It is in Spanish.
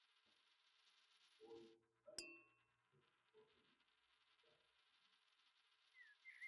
Hoy, varias de las antiguas esposas viven todavía allí.